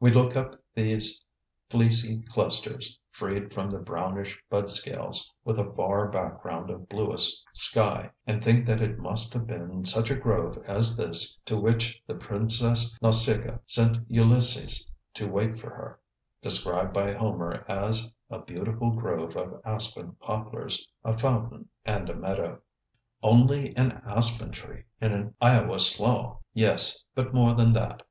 We look up at these fleecy clusters, freed from the brownish budscales, with a far background of bluest sky, and think that it must have been such a grove as this to which the Princess Nausicca sent Ulysses to wait for her, described by Homer as "a beautiful grove of aspen poplars, a fountain and a meadow." Only an aspen tree in an Iowa slough! Yes, but more than that.